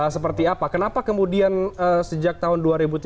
seperti apa kenapa kemudian sejak tahun dua ribu tiga belas